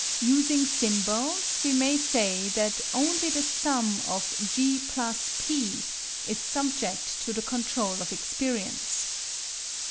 Using symbols, we may say that only the sum of (G) + (P) is subject to the control of experience.